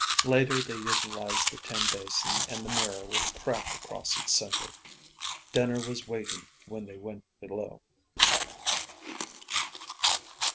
Later they utilized the tin basin and the mirror with a crack across its centre. Dinner was waiting when they went below.